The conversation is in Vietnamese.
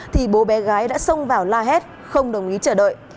thì bố bé gái đã xông vào la hét không đồng ý chờ đợi